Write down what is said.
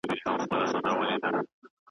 بیا مُلا سو بیا هغه د سیند څپې سوې .